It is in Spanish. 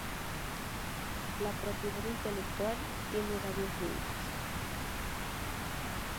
la propiedad intelectual tiene varios límites